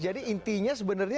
jadi intinya sebenarnya